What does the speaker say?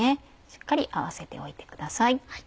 しっかり合わせておいてください。